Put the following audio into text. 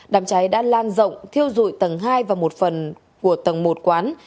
đám cháy đã lan rộng thiêu dụi tầng hai và một phần của tầng một quán